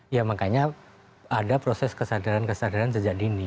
ya makanya ada proses kesadaran kesadaran sejak dini